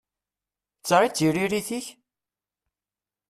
D ta i d tiririt-ik?